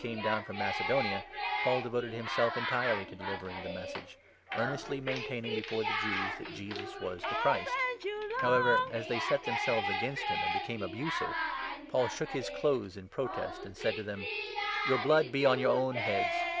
come down from Mace 5 donia, Paul devoted himself entirely to delivering the Message, earnestly maintaining before the Jews that Jesus was the Christ. However, as they set themselves against him 6 and became abusive, Paul shook his clothes in protest and said to them : "Your blood be on your own heads.